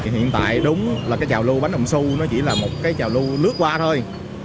hiện tại đúng là cái chào lưu bánh đồng su nó chỉ là một cái chào lưu lướt qua thôi